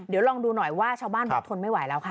เดี๋ยวลองดูหน่อยว่าชาวบ้านบอกทนไม่ไหวแล้วค่ะ